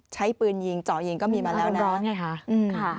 ใช้ปืนยิงเจาะยิงก็มีมาแล้วนะร้อนไงคะ